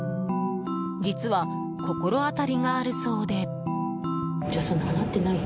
実は心当たりがあるそうで。